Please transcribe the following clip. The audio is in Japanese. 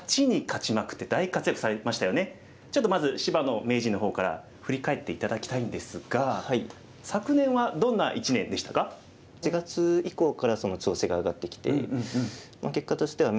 ちょっとまず芝野名人の方から振り返って頂きたいんですが昨年はどんな一年でしたか？